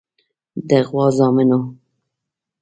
د غوا زامنو.